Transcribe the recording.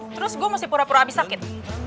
terus gua mesti pura pura abis sakit